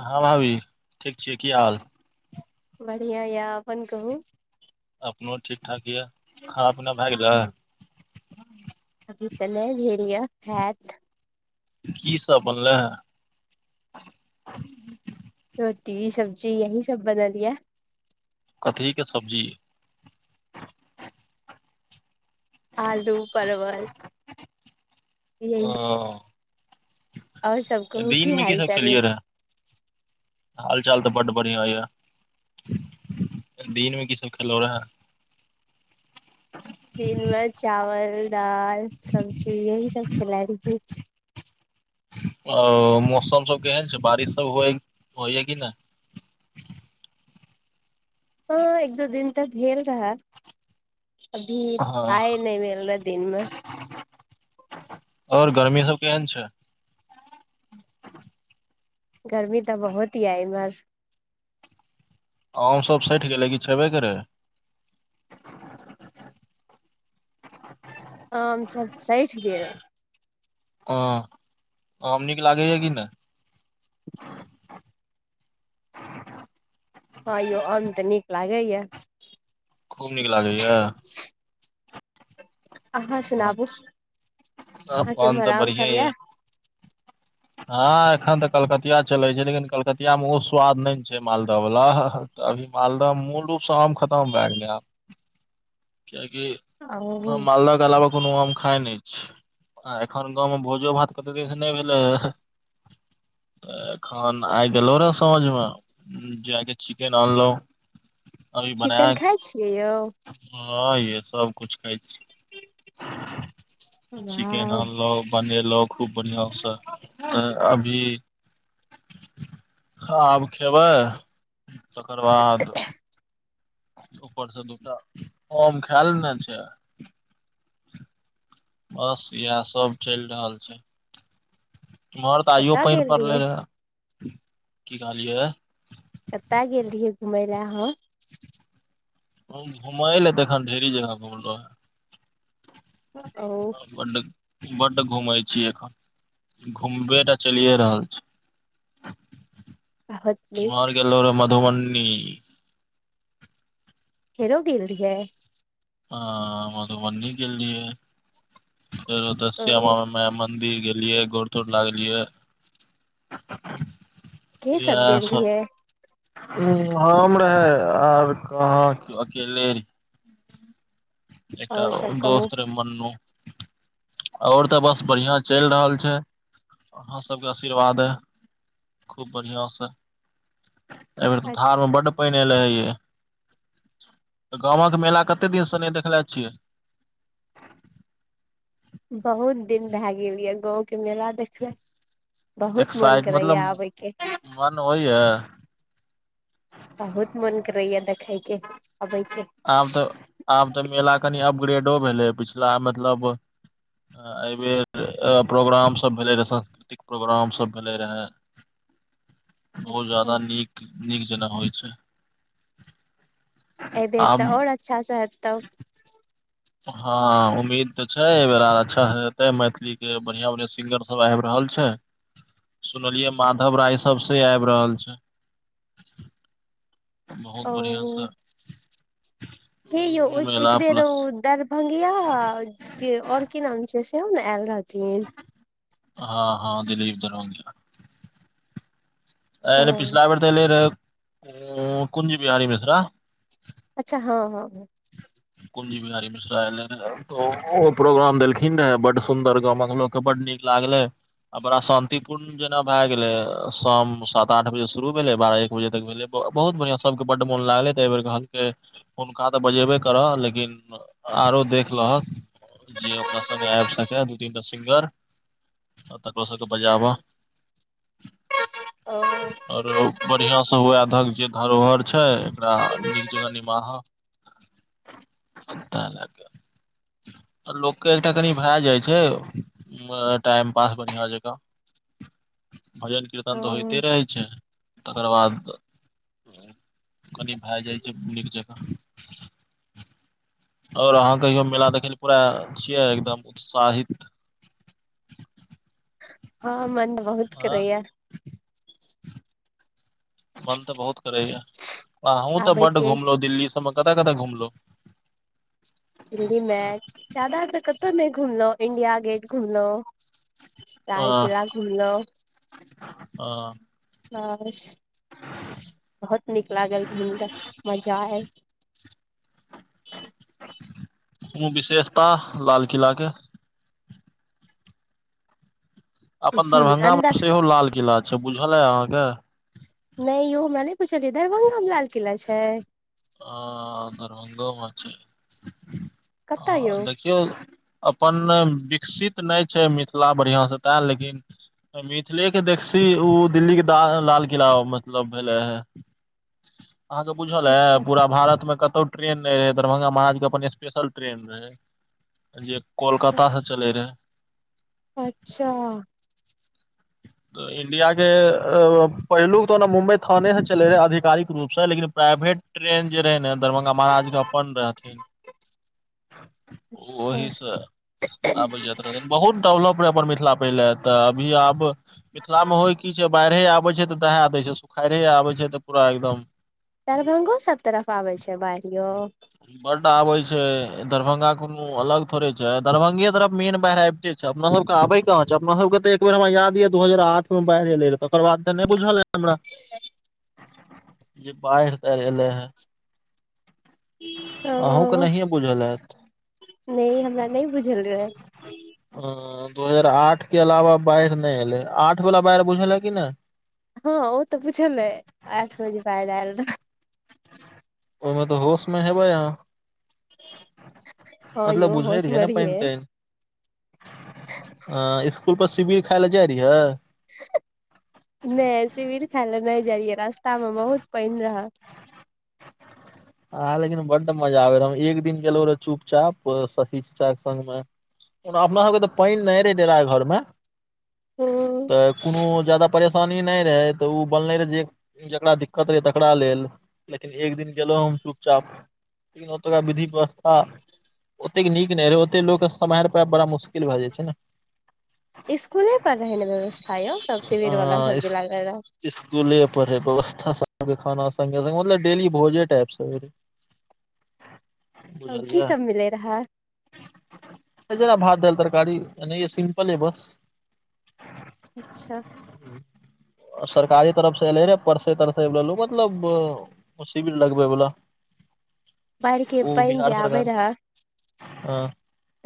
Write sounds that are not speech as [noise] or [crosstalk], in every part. हँ भाभी ठीक छियै की हाल? बढ़िया य अपन कहू। अपनो ठीक ठाक य, खाना पीना भए गेलै? अभी त नहि भेलैया हैत। की सब बनलै? रोटी सब्जी यही सब बनल या। कथीके सब्जी? आलू परवल। यही ओ और सब कहू दिन मे की हाल सब चाल य खेलियै रहै? हाल चाल त बड्ड बढ़िआ या। दिन मे की सब खेलो रहे? दिन मे चावल दाल सब्जी यही सब खेलाय रहियै। ओ मौसम सब केहन छैय बारिश सब हो होइया कि नहि? हँ एक दू दिन तऽ भेल रहा। अभी आय नहि भेल रह दिनमे। आओर गर्मी सब केहन छैय? गर्मी तऽ बहुत यऽ एम्हर। आम सब सठि गेलै कि छेबे करै? आम सब सैठ गेल। ह आम नीक लागैया कि नहि? हँ यौ आम तऽ नीक लागैया। खूब नीक लागैया। अहाँ सुनाबू अहाँ के अपन उम्हर तऽ आम बढ़िये सब ये या? हँ एखन तऽ कलकतिया चलै छैय लेकिन कलकतियामे ओ स्वाद नहि ने छैय मालदह वला। तऽ अभी मालदह मूल रूप से आम खतम भए गेलै आब कियाकि मालदह क अलावा कोनो आम खाय नहि छी आ एखन गाँंव में भोजो भात कते दिन नहि भेलैया। [unintelligible] त एखन आइ गेलव रहैं साझ मे जाके चिकेन अनलहु। अभी चिकन बनाय खाय छियै यौ [unintelligible] सबकुछ खाय चिकेन वाह आनलौ बनेलौ। खूब बढ़िआंसँ तऽ अभी आब खेबै तकर बाद ऊपर से दूटा आम खा लेने छैय। बस यैह सब चैल रहल छैय। उम्हर तऽ आइयो कतय पानी गेल पड़ले रहियै रहे, की कहलियै? कत गेल रहियै घुमय लए अहँ? घुमय ल त अखन ढेरी जगह घुमलौ हैं। ओ बड बड घूमय छी एखन घूमबेटा चलिए रहल छैय। बहुत नीक ओम्हर गेल रहौ मधुबन्नी। फेरो गेल रिहियै? ह मधुबनी गेल रिहयै फेर ओतसे ओ श्यामा माई मन्दिर मन्दिर गेलियै गोड़ तोर लागलियै। के यैहे गेल सब। रहियै उ हम रहे आर कहाँ अकेले एकटा और सब कहू दोस्त रहै मन्नु ओओर त बस बढ़ियाँ चैल रहल छै अहाँ सभके आशीर्वादे खूब बढ़िआं से एहि बेर त धार मे अच्छा, बड पैन एल हैे त गामक मेला कते दिनसँ नहि देखले छियै बहुत दिन भए गेल य गाँंवके मेला देखना बहुत मोन करैया आबैके ओहिए बहुत मन करैया देखयके आब त‌आब त मेला कनि अपग्रेडो भेलै पिछला मतलब एहि बेर प्रोग्राम सब भेले रहे सांस्कृतिक प्रोग्राम सब भेले रहे बहुत अच्छा जादा नीक नीक जेना होइ छै एहिबेर त आब आओर अच्छासँ हेत तब हँ उम्मीद त छै एहि बेरा अच्छा त मैथिलीक के बढ़िआं बढ़िआँ सिंगर सब आबि रहल छै [inaudible] सुनलियै माधव राय सब से आबि रहल छै ओ बहुत बढ़िआँसँ हे यौ ओर के एक बेर प्लस दर गिया जे और की नाम छ सेहो ने आयल रहथिन हँ हँ दिलीप दरभंगिया हँ पिछला बेर त एले रहे कुंज बिहारी मिश्रा अच्छा हँ हँ हँ [inaudible] कुंजी बिहारी मिश्रा एले रह ओहो प्रोग्राम देलखिन बड सुंन्दर गामक लोक क बड नीक लागलै आ बड़ा शान्तिपूर्ण जेना भय गेलै शाम सात आठ बजे शुरू भेलै बारह एक बजे तक भेले बहुत बढ़ियां सब के बड्ड मोन लागले त एहि बेर कहल‌कै हुनका त बजेबे करह लेकिन आरो देख लहक जे ओकरा संगे आबि सकै दू तीन टा सिंगर आ तकरो सभके बजाबा आ आऔरो बढ़िया से हुए धक जे धरोहर छै एकरा नीक जकाँ निमाहा [inaudible] लाग लोक अ एकटा कनि भए जाइ छै टाइम पास बढ़िआं जकाँ भजन कीर्तन त ह होइते रहै छै तकर बाद कनि भए जाइ छै नीक जकाँ आओर अहाँ कहियो मेला देखै लए पूरा छियै एकदम उत्साहित हँ मने बहुत आ करैया मन त बहुत करैया आ हूँ त आबे बड के घुमलहु दिल्ली सबमे कत कतय घुमलो दिल्ली मे जादा त कतहु नहि घुमलहु इंडिया गेट घुमलहु लाल किला घुमलो ओ बस बहुत नीक लागल घुइम क मजा आयल कुनु विशेषता लाल किला के अपन ह अन्दर दरभंगामे सेहो लाल किला छै बुझल ‌अय अहाँके नय यौ हमरा नय बूजहल आय दरभंगामे लालकिला छै ह दरभंगोमे छै कतऽ आहा यौ एते देखियौ अपन विकसित नय छै मिथिला बढ़िआँसँ ते लेकिन मिथिलेके देखसी ओ दिल्लीे द लाल किला मतलब भेलै हे अहाँ सब बुझल ऐब अच्छा पूरा भारतमे कतहु ट्रेन नहि रहै दरभंगा महाराजके अपन स्पेशल ट्रेन रहै कोलकाता से चले रहेै अच्छा त इंडियाके पहिलुक तऽ ने मुम्बइ थानेसँ चलै रहै आधिकारिक रूपसँ लेकिन प्राइवेट ट्रेन जे रहै ने दरभंगा महाराज के अपन रहथिन अच्छा ओओहिसँ आबल जा बहुत डवलप रहे अपन मिथिला पहिले तऽ अभी आब मिथिलां होइ की छै बाढ़े आबै छै तऽ दहा दै छै सुखाड़े आबै छै तऽ पूरा एकदम दरभंगो सब तरफ आबै छै बाढ़ियो बड्ड आबे छै दरभंगा कोनो अलग थोड़े छै दरभंगे तरफ मेन बाहिर आबिते छै च अपना सब के आबे कहाँ छै अपना सब के तऽ एक बेर हमरा याद य दू हजार आठ मे बाढ़ि एलै रह तकर बाद स नहि बुझल ए हमरा जे बाहिर एलै हे अहूँ के ओ नहिए बुझल हेत नहि हमरा नहि बुझल रहय ह दू हजार आठ के अलावा बाढ़ि नहि एले आठ वला बाढ़ि बुझले कि नहि हँ ओ तऽ बुछल आठ बजे बाडल रह ओहिमे तऽ होश में है बा यहाँ हँ मतलब यौ बुझले होश रहिय मे ने रहिये पानि ताएन आ इसकुल पर शिविर खाय लए जाइ रहियै नहि शिविर खाय ले नहि जाइयै रास्ता मे बहुत पानि रहय आह लेकिन बड्ड मजा आबे रहू हम एक दिन गेलहु रह चुपचाप शशि चचाक के सङ्गमे ओ अपना सबके तऽ पाएन नहि रहे डेरा घर मे हूँ तऽ कोनो जादा परेशानी नहि रहै तऽ ओ बनलै रहै जे जकरा दिक्कत रहै तकरा लेल लेकिन एक दिन गेलहुँ हम चुपचाप तत विधि व्यवस्था ओतेक नीक नहि रहै ओते लोकके सम्हारि पइब बड़ा मुश्किल भ जाइ छै ने इसकुले पर रहै ने व्यवस्था यौ सब अ शिविर वालला सब्जी लागल रह इस गुले पर रहै है व्यवथा खाना संगे संगे मतलब डेली भोजे टाइप आर [inaudible] अब की सब मिले रहै जेना भात दाइल तरकारी एनाही सिम्पल है बस ह [inaudible] अच्छा ह [inaudible] सरकारी तरफ से एले रहे परसे तरसे मतलब शिविल लगबे वला बाढ़ि के पानि जे आबे रहै ह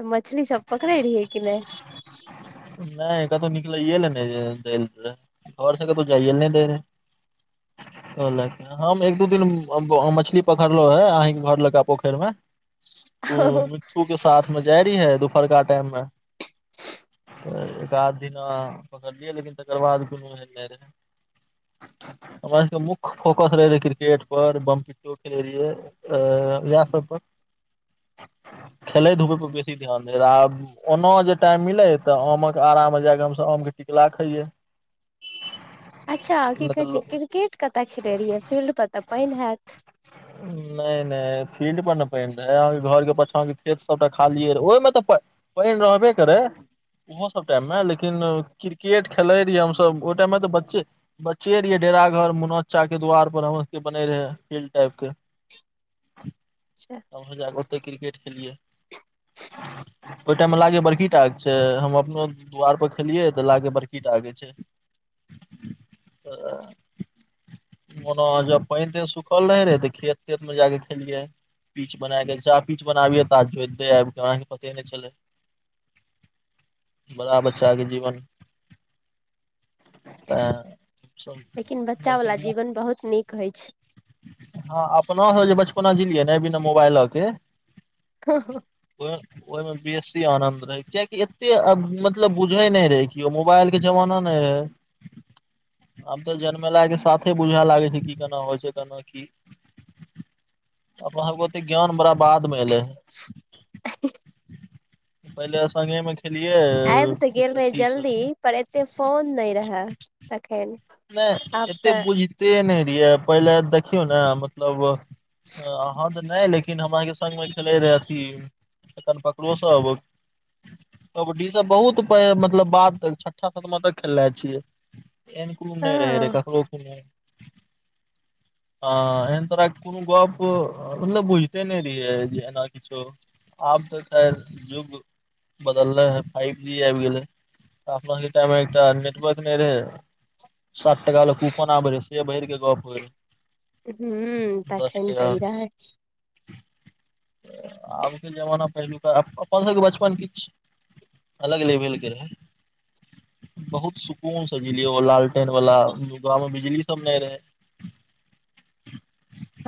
तऽ मछली सब पकड़े रहि है कि नहि नहि क तऽ निकल यल नहि जा आओर सगर तू जाइ एने देर ल हम एक दू दिन मछली पखड़लो है अहं के घर लका पोखरि में उ नहि मिठू के साथ जाय री ह दुपहरका टाइम मे एक आध दिना पकड़लियै लेकिन तकर बाद कोनो एहन नहि रहै हमरा सबके मुख्य फोकस रहे रह क्रिकेट पर बमो एक आ वसप [inaudible] खेलै धुपै पर बेसी ध्यान रह आब ओनो जे टाइम मिले तऽ ओमो आमक आरा मे जाकऽ हमसभ आम के टिकला खैये [unintelligible] अच्छा की नहि कहे तऽ छै क्रिकेट कतय खेले रहियै फील्ड पर तऽ पानि हैत नहि नहि फील्ड पर ने पहिि रहै अहाँके घरके पाछा के खेत सबटा खालियै र ओहिमे तऽ पहिण रहव बरे ओहो सब टाइम मे लेकिन क्रिकेट खेलै रहिय हमस ओहि टाइम मे तऽ बच्चे बच्चे रहिै डेरा घर मनो्चा के द्वार पर हमर सब के बने रहे आएबके अच्छा तब जागते क्रिकेट खेलियै ओ टाम मे लागे बड़की टाक छै हम अपनो दु्वार पर खेलिय ते लागे बड़की टाक छै मनो ज पान त सुख कल रहे रहे त खेत तेत में जाके खेलियै पीच बना गेल छै पीच बनाबिय तऽ जे आब क अहाँके पते नहि छलै बड़ा बच्चा के जीवन लेकिन बच्चा वालला जीवन बहुत नीक होइ छै हँ अपना सब जे बचपना जियै ने बिना मोबाइलके ह हॅ पर ओहिमें बेसी आनंद रहे कआकि एते आब मतलब बुझे नहि रहे कि ओ मोबाइल के जमाना नहि रहे आ तऽ जन्म ल के साथे बुझए लागे छै की केना होएछै कोना कि अब ज्ञान बड़ा बाद [unintelligible] मे एले है पहिले सगे मे खेलियए आबि तऽ गेल रहे कितथस जल्दी पर एते फोन नहि रहय तखन नहि आब एते तऽ बुझिते नहि रहियै पहिले देखियौ ने मतलब अहाँ तऽ नहि लेकिन हम अहाँके संग खेलैत रहए अथी एखैन पकड़ो सब कबड्डी से बहुत मतलब बात छठा सदमा तक खेलने छिए एन कोम नहि रहै रे हँ ककरो ओ आ एन तोरा कोनो गप मतलब बुझिते ने रियै जे एना आब तऽ खैर जुग बदलले हे फाइव जी आबि गेले अपना के टाइम मे एकटा नेटवर्क नहि रहे साात टाला कूपन आबरे से बैरकेे गप होइ रहै हू तखनि तऽ इ रह आबके जमाना पहिलुका अपन सबके बचपन किछ अलग लेवेल के रहै बहुत सुकून से जियै ओ लाल एन वालला गाँंव मे बिजली सब नहि रहे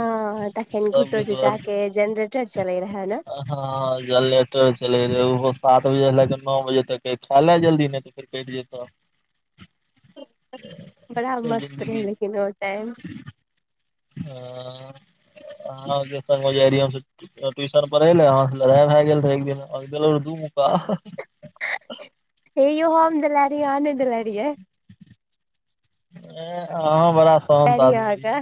हँ तखन घुटो सबके जे दुआर जा के जेनरेटर चले रहे ने हँ ज लेटर चले रह ओ सात बजे लए के नओ बजे तक खाय ले जल्दी नहि र कटि जेतऽ ई बड़ा सब मस्त रहै लेकिन ओ टाइम [inaudible] ह आ सङ मज ट्यूशन पढ़े ने लड़ाइ भए गेल रहै एक दिन एक दूका ह यौ हम हम देल री अहाँ नहि देले रहिए ऐ आहा बड़ा शान्त फैरी आहा के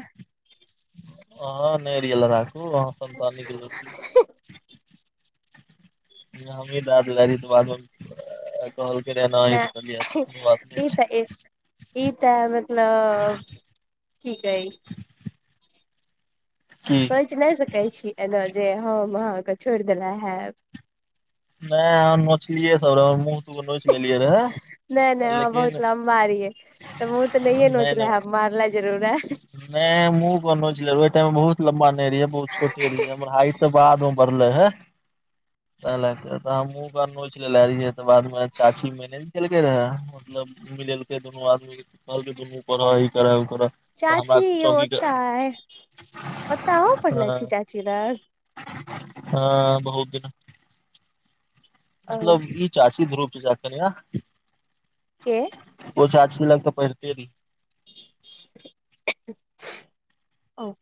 हँ नेरिहिए लराकू अह संन्ताान निकलहु हमी दाददारी त बादमे कॉल करय न तऽ कहलिय अ नहि कोनो बात ई नहि तऽ ई तऽ मतलब ठ ह ज की सोचि नहि सकैत छी, एना जे हम अहाँकेँ छोड़ि देनेहाब नहि हम नोचलियै सभ रह मुँह तोगो नोच लेलियै रहे नहि-नहि आहा लेकिन बहुत लम मारियै तऽ मुह तऽ नहिये नहि नहि नोचले है मारले जरूर है नहि मुँह कोनो छल ओ टाइमे बहुत लम्बा नहि रहियै बहुत छोटे रहि हमर हाइट बादमे बढ़ले हे ता लेके तऽ हमके नोच लेने रहियै बादमे चाची मेने। लेलके रहै, मतलब मिलेलके। दुनू आदमी कहलकै दुनू करऽ, ई कर, ओ कर। चाची य ओता, ओता पढ़ले छी चाची लग। हँ, बहुत दिन। ओ मतलब ई चाची धारुप चाचा के कनियाँ। के? ओ चाची लगते बैसले रही। ओ, ओ।